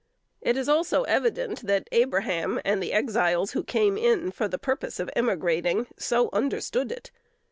It is also evident that Abraham and the Exiles who came in for the purpose of emigrating so understood it.